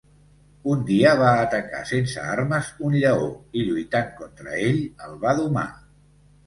Un dia va atacar sense armes un lleó, i lluitant contra ell, el va domar.